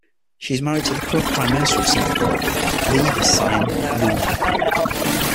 She is married to the current Prime Minister of Singapore, Lee Hsien Loong.